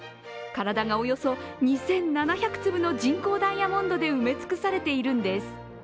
体がおよそ２７００粒の人工ダイヤモンドで埋め尽くされているんです。